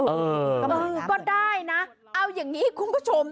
เออก็ได้นะเอาอย่างนี้คุณผู้ชม